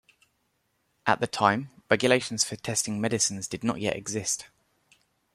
At the time, regulations for testing medicines did not yet exist.